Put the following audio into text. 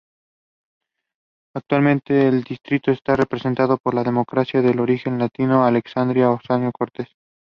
He is the President of the party Open Cabildo.